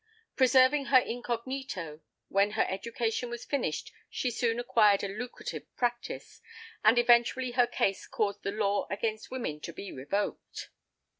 Preserving her incognito, when her education was finished she soon acquired a lucrative practice; and eventually her case caused the law against women to be revoked.